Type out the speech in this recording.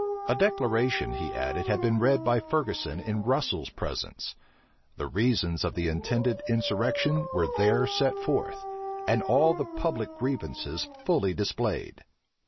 A declaration, he added, had been read by Ferguson in Russel's presence: the reasons of the intended insurrection were there set forth, and all the public grievances fully displayed.